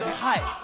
はい。